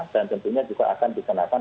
dan tentunya juga akan dikenakan